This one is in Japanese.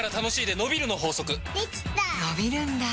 のびるんだ